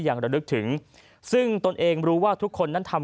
พลเอกเปรยุจจันทร์โอชานายกรัฐมนตรีพลเอกเปรยุจจันทร์โอชานายกรัฐมนตรี